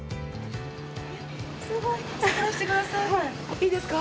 いいですか？